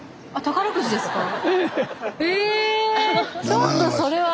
ちょっとそれは。